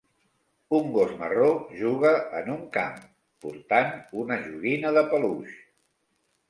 Un gos marró juga en un camp portant una joguina de peluix.